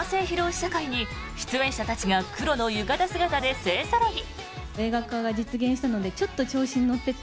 試写会に出演者たちが黒の浴衣姿で勢ぞろい！